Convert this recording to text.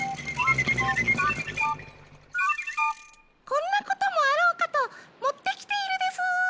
こんなこともあろうかともってきているでスー。